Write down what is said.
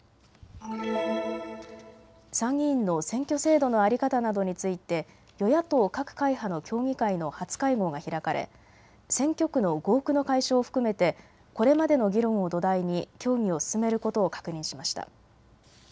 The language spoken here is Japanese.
参議院の選挙制度の在り方などについて与野党各会派の協議会の初会合が開かれ、選挙区の合区の解消を含めて、これまでの議論を土台に協議を進めることを確認しました。